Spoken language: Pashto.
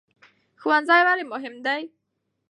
ښوونځی ولې مهم دی؟